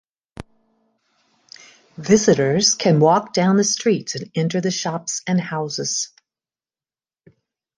Visitors can walk down the streets and enter the shops and houses.